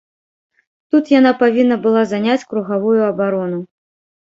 Тут яна павінна была заняць кругавую абарону.